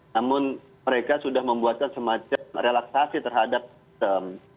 namun mereka sudah membuatkan semacam relaksasi terhadap sistem